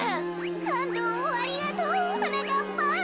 かんどうをありがとうはなかっぱん。